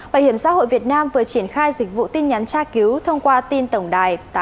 bảo hiểm xã hội việt nam vừa triển khai dịch vụ tin nhắn tra cứu thông qua tin tổng đài tám nghìn bảy mươi chín